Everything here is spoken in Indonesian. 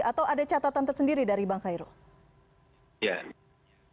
atau ada catatan tersendiri dari bang khairul